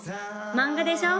漫画でしょ？